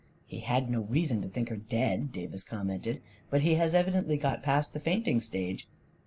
" He had no reason to think her dead," Davis commented. " But he has evidently got past the fainting stage."